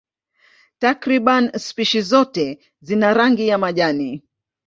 Takriban spishi zote zina rangi ya majani.